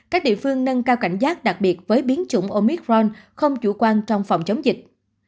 các địa phương nâng cao cảnh giác đặc biệt với biến chủng omicron không chủ quan trong phòng chống dịch